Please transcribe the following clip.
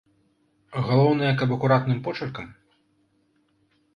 Галоўнае, каб акуратным почыркам?!